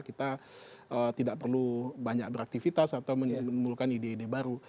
kita tidak perlu banyak beraktivitas atau menimbulkan ide ide baru